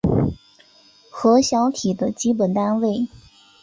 核小体的基本单位。